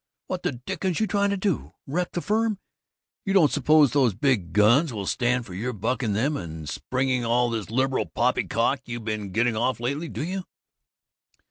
What the dickens you trying to do? Wreck the firm? You don't suppose these Big Guns will stand your bucking them and springing all this 'liberal' poppycock you been getting off lately, do you?"